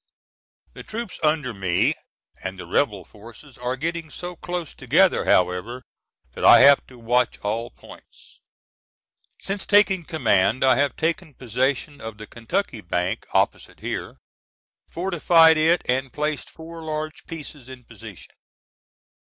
The troops under me and the rebel forces are getting so close together however that I have to watch all points. Since taking command I have taken possession of the Kentucky bank opposite here, fortified it and placed four large pieces in position.